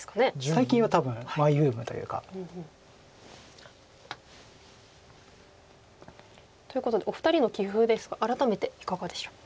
最近は多分マイブームというか。ということでお二人の棋風ですが改めていかがでしょう？